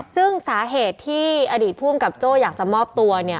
ซึ่งสาเหตุที่อดีตภูมิกับโจ้อยากจะมอบตัว